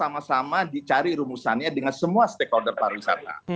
karena kalau sama sama dicari rumusannya dengan semua stakeholder para wisata